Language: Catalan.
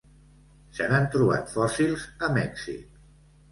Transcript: Se n'han trobat fòssils a Mèxic.